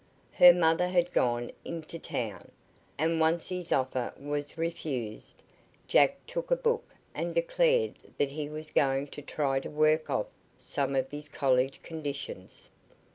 Her mother had gone into town, and once his offer was refused, Jack took a book and declared that he was going to try to work off some of his college conditions.